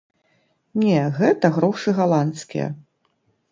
Не, гэта грушы галандскія.